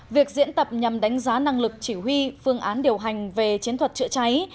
việc diễn tập nhằm đánh giá năng lực chỉ huy phương án điều hành về chiến thuật chữa cháy